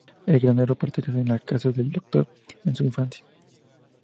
El granero pertenece a la casa del Doctor en su infancia.